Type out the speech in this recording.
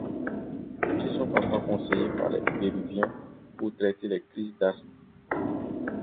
Ils sont parfois conseillés par les péruviens pour traiter les crises d'asthme.